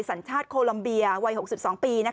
สัญชาติโคลัมเบียวัย๖๒ปี